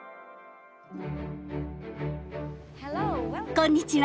こんにちは。